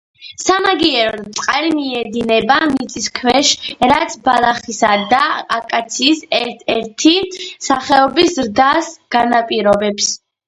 სამაგიეროდ, წყალი მიედინება მიწისქვეშ, რაც ბალახისა და აკაციის ერთ-ერთი სახეობის ზრდას განაპირობებს.